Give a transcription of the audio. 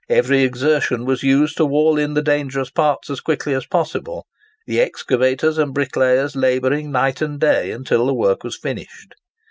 Every exertion was used to wall in the dangerous parts as quickly as possible; the excavators and bricklayers labouring night and day until the work was finished.